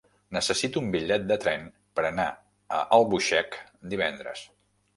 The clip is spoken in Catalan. Necessito un bitllet de tren per anar a Albuixec divendres.